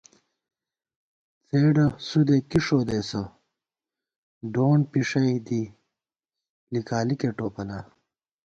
څېڈہ سُودےکی ݭودېسہ، ڈونڈپھِݭئ دی، لِکالِکےٹوپلا